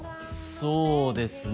そうですね